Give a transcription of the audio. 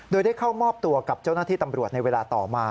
โดยได้เข้ามอบตัวกับเจ้าหน้าที่ตำรวจในเวลาต่อมา